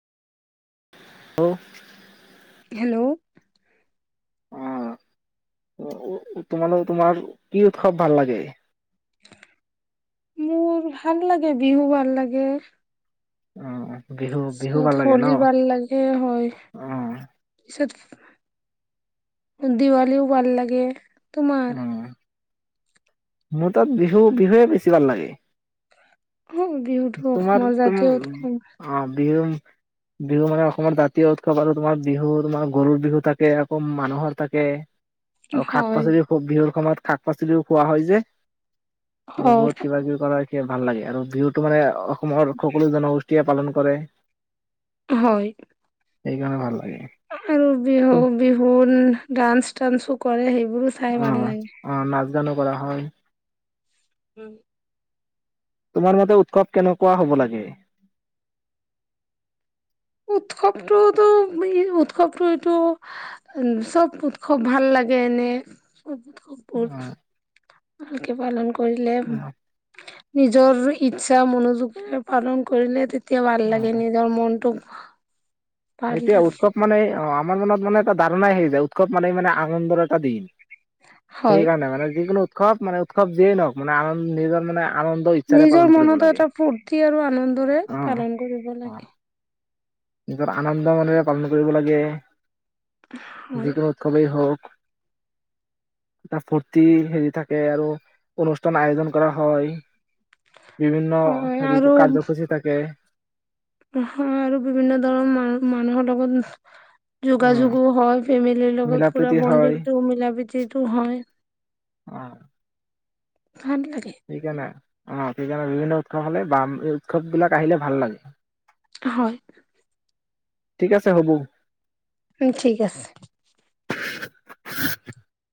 অ' hello অ' উ উ তোমালোগৰ তোমাৰ কি উৎসৱ ভাল লাগে? মোৰ ভাল লাগে বিহু ভাল লাগে অ', অ' তাৰছত হোলী ভাল লাগে হয় অ পিছত দিৱালীও ভাল লাগে। অ তোমাৰ মোৰ তাত বিহু বিহুৱে বেছি ভাল লাগে। উম বিহুতো তোমাৰ অসমৰ তুম জাতীয় উৎসৱ। অ বিহু বিহু মানে অসমৰ জাতীয় উৎসৱ আৰু তোমাৰ বিহু তোমাৰ গৰুৰ বিহু থাকে, আকৌ মানুহৰ থাকে। আৰু হয় শাক-পাচলি খুব বিহুৰ সময়ত শাক-পাচলিও খোৱা হয় যে আৰু হয় বহুত কিবা-কিবি কৰা ভাল লাগে আৰু বিহুত তোমাৰ অ অসমৰ সকলো জনগোষ তিয়া পালন কৰে হয় সেইকাৰণে ভাল লাগে আৰু বিহু বিহু ডাঞ্চ টাঞ্চো কৰে সেই বোৰো চাই ভাল লাগে জানো কৰা হয় উম তোমাৰ মতে উৎসৱ কেনেকোৱা হ'ব লাগে উৎসৱটোতো ই উৎসৱটো এইটো চব উৎসৱ ভাল লাগে এনে আজি খবৰথ ভালকে পালন ক কৰিলে নিজৰ ইচ্ছা মনোযোগৰে পালন কৰিলে তেয় ভাল লাগে নিজৰ মনটো এতিয়া উৎসৱ মানে অ আমাৰ মনত মানে এটা ধাৰণাই হৈ যায় উৎসৱ মানে মানে আনন্দৰ এটা দিন হয় সেইকাৰণে মানে যিকোনো উৎসৱ মানে উৎসৱ যিয়েই নহওক মানে আন নিজৰ মানে আনন্দ ইচ্ছাৰে পালন নিজৰ কৰিব মনত লাগে। এটা ফূৰ্তি আৰু আনন্দৰে অ পালন কৰিব লাগে নিজৰ আনন্দ মনেৰে পালন কৰিব লাগে হয় যিকোনো উৎসৱেই হওঁক এটা ফূৰ্তি হেৰি থাকে আৰু অনুষ্ঠান আয়োজন কৰা হয় বিভিন্ন হয় হেৰি কাৰ্যসূচী থাকে অ হআৰু বিভিন্ন ধৰণৰ মান মানুহৰ লগত অ যোগাযোগো হয় ফেমিল [unintelligible] ৰ মিলা লগত পুৰা প্ৰীতি হয় বন্দিংটো মিলা প্ৰীতিটো হয় অ ভাল লাগে এইকা না [unintelligible] অ সেইকাৰণে বিভিন্ন উৎসৱ হ'লে বাম এই উৎসৱ বিলাক আহিলে ভাল লাগে হয় ঠিক আছে হ'ব ঠিক আছে [inaudible]